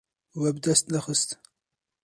We bi dest nexist.